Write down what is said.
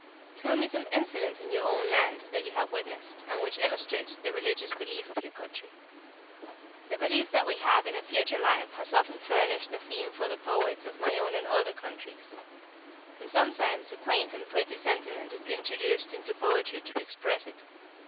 "Tell me some incident in your own land that you have witnessed, and which illustrates the religious belief of your country." "The belief that we have in a future life has often furnished a theme for the poets of my own and other countries. And sometimes a quaint and pretty sentiment is introduced into poetry to express it."